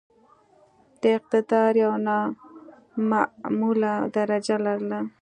د اقتدار یو نامعموله درجه لرله.